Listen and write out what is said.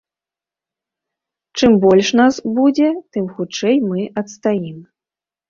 Чым больш нас будзе, тым хутчэй мы адстаім!